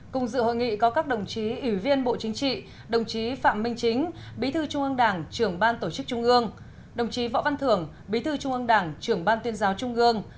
cùng dự hội nghị có các đồng chí ủy viên bộ chính trị đồng chí phạm minh chính bí thư trung ương đảng trưởng ban tổ chức trung ương đồng chí võ văn thưởng bí thư trung ương đảng trưởng ban tuyên giáo trung ương